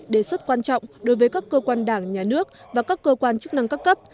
đề xuất quan trọng đối với các cơ quan đảng nhà nước và các cơ quan chức năng các cấp